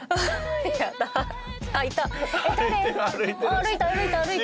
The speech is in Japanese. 歩いた歩いた歩いた！